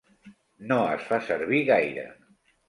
No es fa servir gaire.